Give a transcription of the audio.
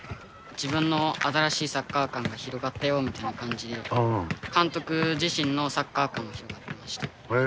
自分の新しいサッカー観が広がったよみたいな感じで、監督自身のサッカー観も広がっていました。